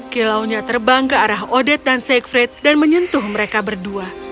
kilaunya terbang ke arah odette dan siegfried dan menyentuh mereka berdua